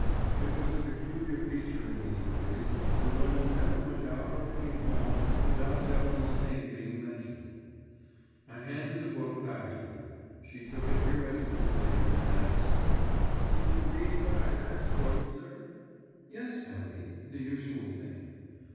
It was a peculiar feature in these entries that Lemon never went out or came home without Devlin's name being mentioned. I handed the book back to her; she took it irresolutely, and asked, "Did you read what I last wrote, sir?" "Yes, Fanny, the usual thing."